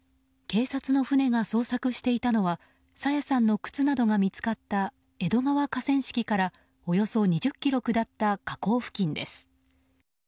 警察の船が捜索していたのは朝芽さんの靴などが見つかった江戸川河川敷からおよそ２０ｋｍ下った河口付近です。